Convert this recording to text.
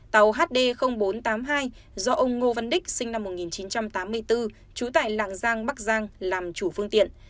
tàu hd bốn trăm tám mươi hai do ông ngô văn đích sinh năm một nghìn chín trăm tám mươi bốn trú tại lạng giang bắc giang làm chủ phương tiện